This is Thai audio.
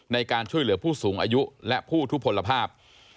ในการช่วยเหลือผู้สูงอายุและผู้ทุพลภาพ